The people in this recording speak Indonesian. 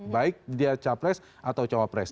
baik dia capres atau cawapres